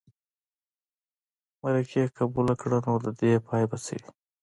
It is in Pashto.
مرکې قبوله کړه نو د دې پای به څه وي.